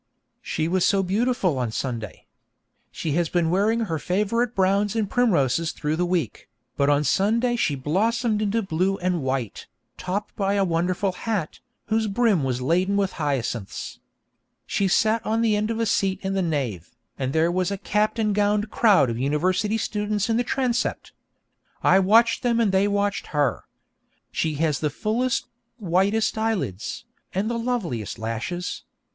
She was so beautiful on Sunday. She has been wearing her favourite browns and primroses through the week, but on Sunday she blossomed into blue and white, topped by a wonderful hat, whose brim was laden with hyacinths. She sat on the end of a seat in the nave, and there was a capped and gowned crowd of university students in the transept. I watched them and they watched her. She has the fullest, whitest eyelids, and the loveliest lashes.